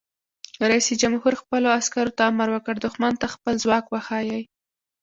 رئیس جمهور خپلو عسکرو ته امر وکړ؛ دښمن ته خپل ځواک وښایئ!